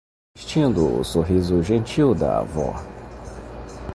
Assistindo o sorriso gentil da avó